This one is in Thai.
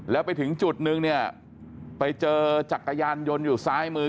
แล้วไปถึงจุดนึงเนี่ยไปเจอจักรยานยนต์อยู่ซ้ายมือ